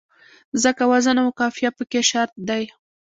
ځکه وزن او قافیه پکې شرط دی.